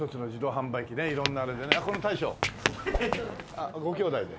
あっご姉弟で？